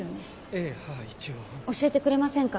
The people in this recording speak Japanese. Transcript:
ええはあ一応教えてくれませんか？